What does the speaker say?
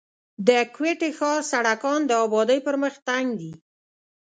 د کوټي ښار سړکان د آبادۍ پر مخ تنګ دي.